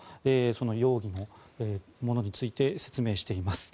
その容疑のものについて説明しています。